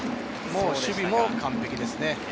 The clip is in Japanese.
守備も完璧ですね。